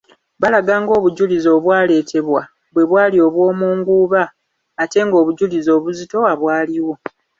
Balaga ng'obujulizi obwaleetebwa bwe bwali obwomunguuba ate ng'obujulizi obuzitowa bwaliwo.